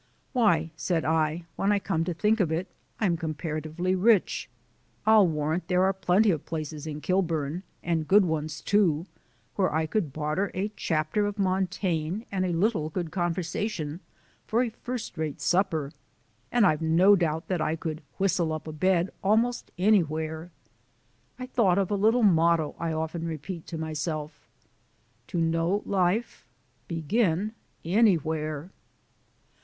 "Why," said I, "when I come to think of it, I'm comparatively rich. I'll warrant there are plenty of places in Kilburn, and good ones, too, where I could barter a chapter of Montaigne and a little good conversation for a first rate supper, and I've no doubt that I could whistle up a bed almost anywhere!" I thought of a little motto I often repeat to myself: TO KNOW LIFE, BEGIN ANYWHERE!